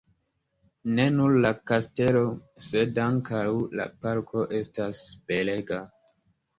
Ne nur la kastelo, sed ankaŭ la parko estas belega.